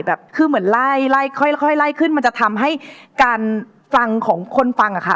แบบคือเหมือนไล่ไล่ค่อยไล่ขึ้นมันจะทำให้การฟังของคนฟังอะค่ะ